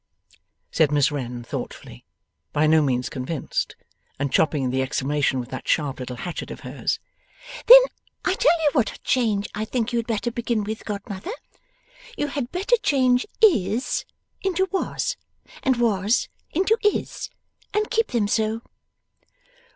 said Miss Wren thoughtfully, by no means convinced, and chopping the exclamation with that sharp little hatchet of hers; 'then I tell you what change I think you had better begin with, godmother. You had better change Is into Was and Was into Is, and keep them so.